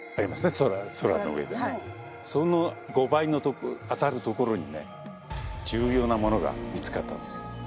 その５倍にあたる所にね重要なものが見つかったんです。